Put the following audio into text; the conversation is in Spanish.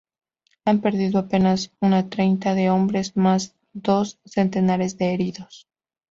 Han perdido apenas una treintena de hombres más dos centenares de heridos.